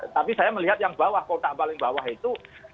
tapi saya melihat yang bawah kota paling bawah itu